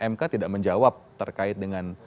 mk tidak menjawab terkait dengan